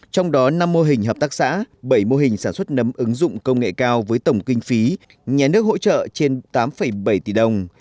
trong đó năm mô hình hợp tác xã bảy mô hình sản xuất nấm ứng dụng công nghệ cao với tổng kinh phí nhà nước hỗ trợ trên tám bảy tỷ đồng